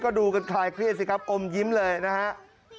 ก็ดูกันคลายเครียดสิครับอมยิ้มเลยนะครับ